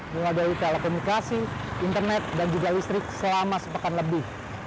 mengadai telekomunikasi internet dan juga listrik selama sepekan lebih